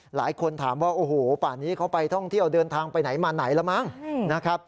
หลายคนถามว่าโอ้โหป่านี้เขาไปท่องเที่ยวเดินทางไปไหนมาไหนแล้วมั้งนะครับ